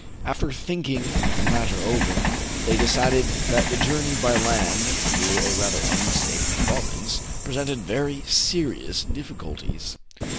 After thinking the matter over, they decided that the journey by land, through a rather unsafe province, presented very serious difficulties.